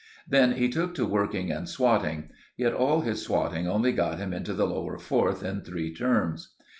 Then he took to working and swatting; yet all his swatting only got him into the lower fourth in three terms.